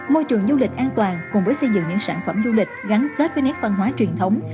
môi trường du lịch an toàn cùng với xây dựng những sản phẩm du lịch gắn kết với nét văn hóa truyền thống